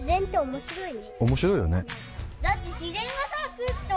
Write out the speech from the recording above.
面白いよね。